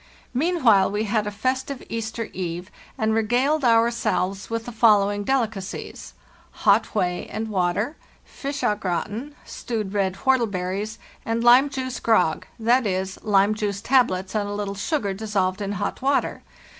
Meanwhile we had a festive Easter eve and regaled ourselves with the following delicacies: hot whey and water, fish az gratin, stewed red whortleberries, and lime juice grog (2.c., lime juice tablets and a little sugar dissolved in hot water).